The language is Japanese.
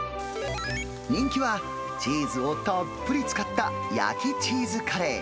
人気は、チーズをたっぷり使った焼きチーズカレー。